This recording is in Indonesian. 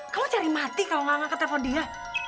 kamu cari mati kalau nggak ngangkat telepon dia